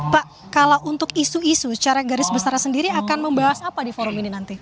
pak kalau untuk isu isu secara garis besar sendiri akan membahas apa di forum ini nanti